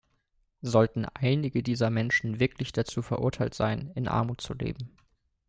Sollten einige dieser Menschen wirklich dazu verurteilt sein, in Armut zu leben?